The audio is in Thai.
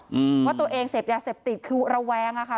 อืมว่าตัวเองเสพยาเสพติดคือระแวงอ่ะค่ะ